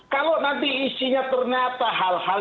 kalau nanti isinya ternyata hal hal